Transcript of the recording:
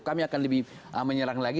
kami akan lebih menyerang lagi